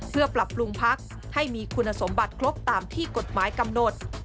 เพื่อปรับปรุงพักให้มีคุณสมบัติครบตามที่กฎหมายกำหนด